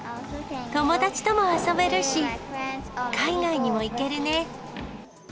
友達とも遊べるし、海外にも行けるね。